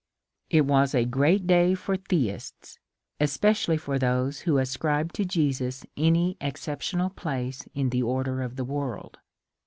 It was a great day for theists, especially for those who ascribed to Jesus any ex ceptional place in the order of the world.